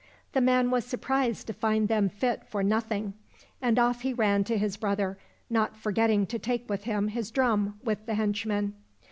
The man was surprised to find them fit for nothing, and off he ran to his brother, not forgetting to take with him his drum with the henchmen.